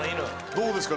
どうですか？